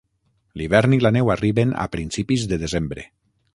L'hivern i la neu arriben a principis de desembre.